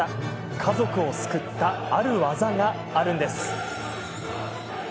家族を救ったあるワザがあるんです。